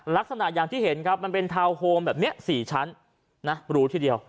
ลักษณะอย่างที่เห็นครับมันเป็นทาวน์โฮมแบบนี้๔ชั้นนะรูทีเดียว